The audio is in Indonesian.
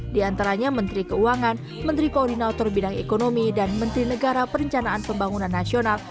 di antaranya menteri keuangan menteri koordinator bidang ekonomi dan menteri negara perencanaan pembangunan nasional